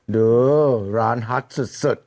ดูร้านฮอตสุด